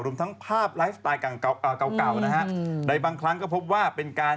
รวมทั้งภาพไลฟ์สไตล์เก่าเก่านะฮะในบางครั้งก็พบว่าเป็นการ